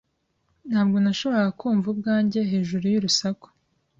Ntabwo nashoboraga kumva ubwanjye hejuru y'urusaku.